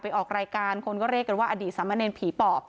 ออกรายการคนก็เรียกกันว่าอดีตสามเณรผีปอบ